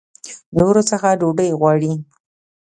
نورو څخه ډوډۍ غواړي.